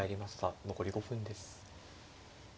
残り５分です。